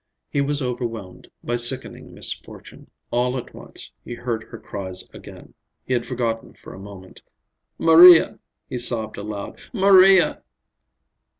He was overwhelmed by sickening misfortune. All at once he heard her cries again—he had forgotten for a moment. "Maria," he sobbed aloud, "Maria!"